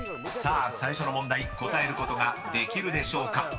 ［さあ最初の問題答えることができるでしょうか？］